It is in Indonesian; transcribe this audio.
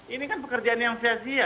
ini kan pekerjaan yang sia sia